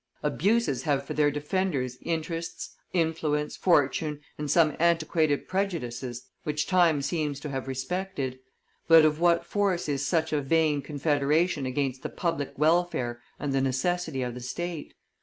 Abuses have for their defenders interests, influence, fortune, and some antiquated prejudices which time seems to have respected. But of what force is such a vain confederation against the public welfare and the necessity of the state?